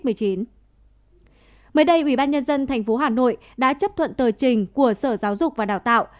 mới đây ubnd tp hà nội đã chấp thuận tờ trình của sở giáo dục và đào tạo